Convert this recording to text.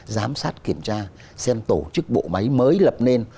giám sát kiểm tra xem tổ chức bộ máy mới lập nên